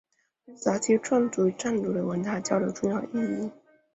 对研究早期壮族与汉族的文化交流有重要意义。